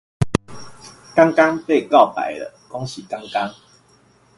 剛剛被告白了，恭喜剛剛